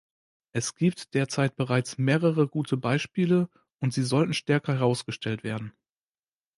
Es gibt derzeit bereits mehrere gute Beispiele, und sie sollten stärker herausgestellt werden.